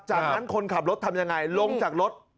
จากนั้นคนขับรถทำยังไงลงจากรถ